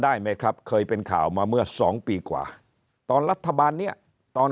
ได้ไหมครับเคยเป็นข่าวมาเมื่อสองปีกว่าตอนรัฐบาลเนี่ยตอน